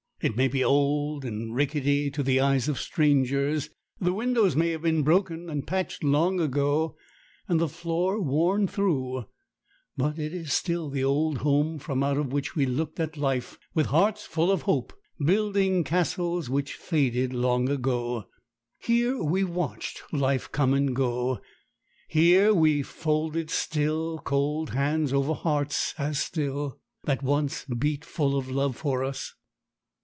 It may be old and rickety to the eyes of strangers; the windows may have been broken and patched long ago, and the floor worn through; but it is still the old home from out of which we looked at life with hearts full of hope, building castles which faded long ago. Here we watched life come and go; here we folded still, cold hands over hearts as still, that once beat full of love for us.